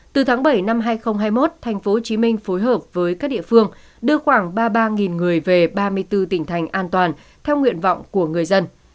từ tháng bảy năm hai nghìn hai mươi một tp hcm phối hợp với các địa phương đưa khoảng ba mươi ba người về ba mươi bốn tỉnh thành an toàn theo nguyện vọng của người dân